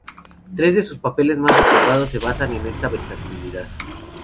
Tres de sus papeles más recordados se basan en esa versatilidad.